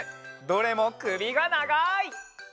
どれもくびがながい！